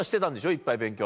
いっぱい勉強。